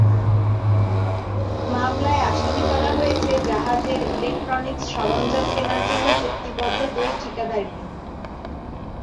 মামলায় আসামি করা হয়েছে জাহাজের ইলেকট্রনিকস সরঞ্জাম কেনার জন্য চুক্তিবদ্ধ দুই ঠিকাদারকে।